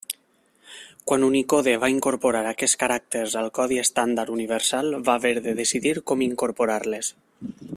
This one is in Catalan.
Quan Unicode va incorporar aquests caràcters al codi estàndard universal va haver de decidir com incorporar-les.